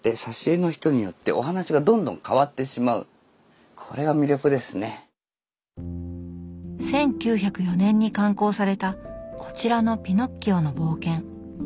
何が面白いかというと１９０４年に刊行されたこちらの「ピノッキオの冒険」。